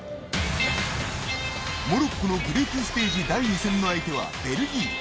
モロッコのグループステージ第２戦の相手はベルギー。